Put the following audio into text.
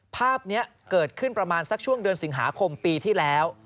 ภาพนี้เกิดขึ้นประมาณสักช่วงเดือนสิงหาคมปีที่แล้ว